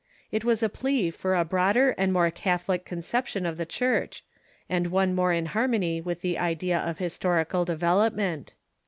It was a plea for a broader and more catholic conception of the Church, and one more in harmony with the idea of his torical development.